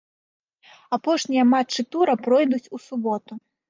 Апошнія матчы тура пройдуць у суботу.